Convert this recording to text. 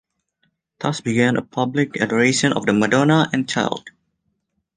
Thus began a public adoration of the Madonna and Child.